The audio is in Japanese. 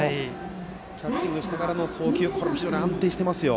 キャッチングしてからの送球非常に安定しています。